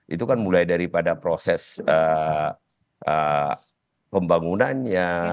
itu kan mulai daripada proses pembangunannya